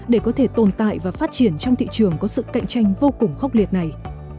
để có thể tồn tại và phát triển trong thị trường có sự cạnh tranh vô cùng khốc liệt này